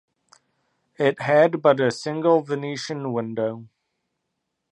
It had but a single Venetian window.